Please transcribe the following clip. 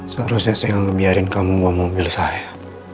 seharusnya saya ngebiarin kamu bawa mobil saya